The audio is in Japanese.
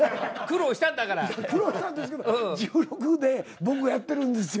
苦労したんですけど１６で僕やってるんですよ。